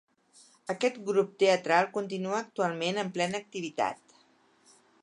Aquest grup teatral continua actualment amb plena activitat.